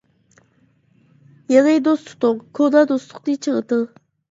يېڭى دوست تۇتۇڭ، كونا دوستلۇقنى چىڭىتىڭ.